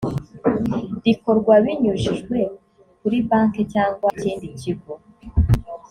rikorwa binyujijwe kuri banki cyangwa ikindi kigo